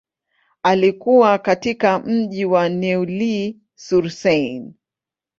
Alikua katika mji wa Neuilly-sur-Seine.